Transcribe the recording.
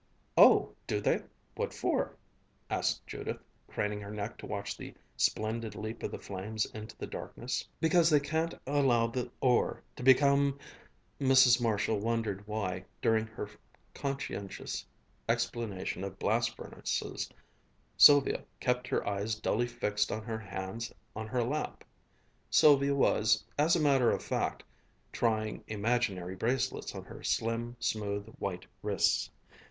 "Oh, do they? What for?" asked Judith, craning her neck to watch the splendid leap of the flames into the darkness. "Because they can't allow the ore to become " Mrs. Marshall wondered why, during her conscientious explanation of blast furnaces, Sylvia kept her eyes dully fixed on her hands on her lap. Sylvia was, as a matter of fact, trying imaginary bracelets on her slim, smooth, white wrists.